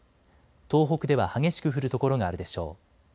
東北では激しく降る所があるでしょう。